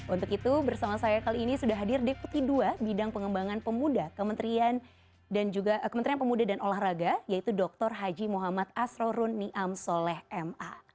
untuk itu bersama saya kali ini sudah hadir deputi ii bidang pengembangan pemuda dan olahraga yaitu dr haji muhammad asrorun niam soleh ma